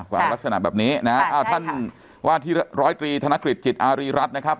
ลักษณะแบบนี้นะท่านว่าที่ร้อยตรีธนกฤษจิตอารีรัฐนะครับ